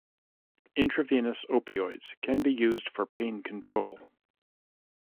Intravenous opioids can be used for pain control.